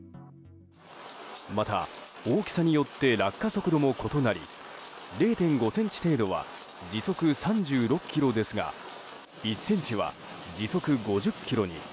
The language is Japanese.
また、大きさによって落下速度も異なり０．５ｃｍ程度は時速３６キロですが１ｃｍは時速５０キロに。